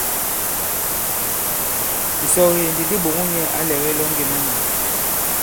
Ìsɔge ndi di ɓòŋo nyɛ̄ ǎ lɛ̀gɛ ilɔŋge ìna nyàà.